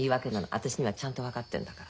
私にはちゃんと分かってんだから。